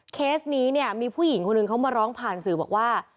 เคสนี้เนี่ยมีผู้หญิงคนหนึ่งเขามาร้องผ่านสื่อบอกว่า